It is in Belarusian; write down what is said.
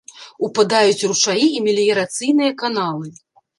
Упадаюць ручаі і меліярацыйныя каналы.